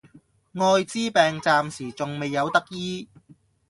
愛滋病暫時仲未有得醫